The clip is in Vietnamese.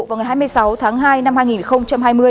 vào ngày hai mươi sáu tháng hai năm hai nghìn hai mươi